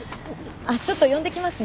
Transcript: ちょっと呼んできますね。